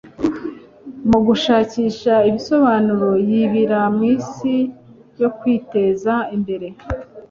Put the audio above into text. Mugushakisha ibisobanuro, yibira mwisi yo kwiteza imbere,